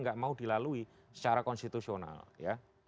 nggak mau dilalui secara konstitusional ya